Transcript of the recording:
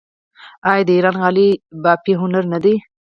آیا د ایران غالۍ بافي هنر نه دی؟